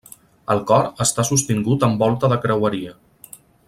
El cor està sostingut amb volta de creueria.